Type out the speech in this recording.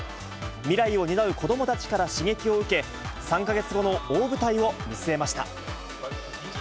未来を担う子どもたちから刺激を受け、３か月後の大舞台を見据えました。